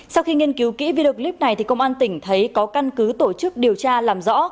sau khi nghiên cứu kỹ video clip này công an tỉnh thấy có căn cứ tổ chức điều tra làm rõ